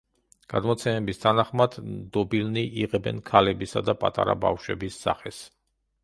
გადმოცემების თანახმად, დობილნი იღებენ ქალებისა და პატარა ბავშვების სახეს.